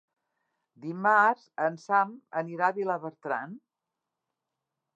Dimarts en Sam anirà a Vilabertran.